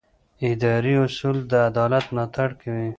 اداري اصول د عدالت ملاتړ کوي.